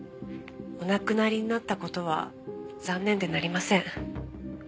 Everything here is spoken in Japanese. お亡くなりになった事は残念でなりません。